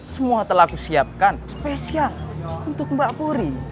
semua telah kusiapkan spesial untuk mbak purdy